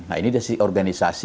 nah ini dari organisasi